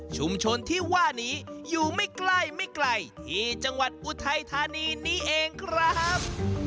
ชุมชนที่ว่านี้อยู่ไม่ใกล้ไม่ไกลที่จังหวัดอุทัยธานีนี้เองครับ